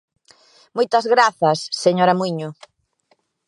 Moitas grazas, señora Muíño.